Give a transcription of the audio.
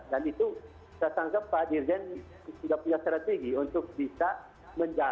dan itu sesangka pak dirjen sudah punya strategi untuk bisa